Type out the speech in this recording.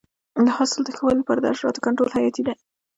د حاصل د ښه والي لپاره د حشراتو کنټرول حیاتي دی.